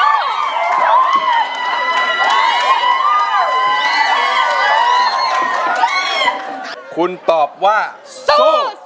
อยากได้โอกาสที่ดีแบบนี้กว่าไม่มีอีก